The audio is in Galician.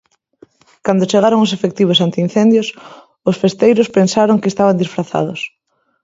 Cando chegaron os efectivos antiincendios, os festeiros pensaron que estaban disfrazados.